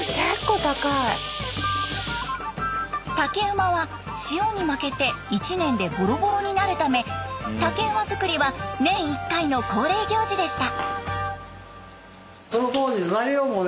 竹馬は潮に負けて１年でボロボロになるため竹馬作りは年１回の恒例行事でした。